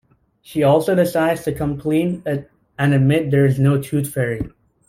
She also decides to come clean and admit there is no tooth fairy.